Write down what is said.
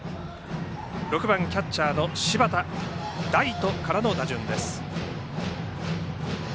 ６番キャッチャー柴田大翔からの打順です。